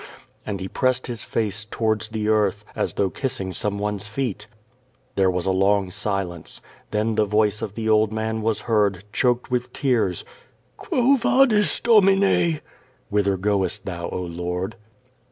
and he pressed his face towards the earth, as though kissing some one's feet. There was a long silence. Then the voice of the old man was heard, choked with tears: "Quo Yadis, Domine?" (Whither goest Thou, oh. Lord?)